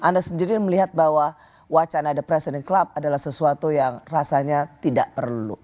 anda sendiri melihat bahwa wacana the president club adalah sesuatu yang rasanya tidak perlu